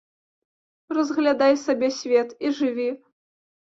Разглядай сабе свет і жыві.